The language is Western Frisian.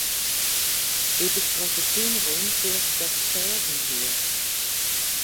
Doe't ik troch de tún rûn, seach ik dat it ferzen hie.